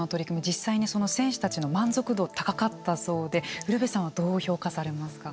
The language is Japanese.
実際にその選手たちの満足度は高かったそうで、ウルヴェさんはどう評価されますか。